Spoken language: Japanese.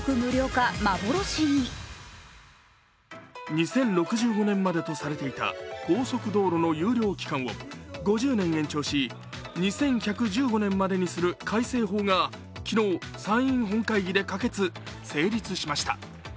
２０６５年までとされていた高速道路の有料期間を５０年延長し２１１５年までにする改正法が昨日、参院本会議で可決・成立しました。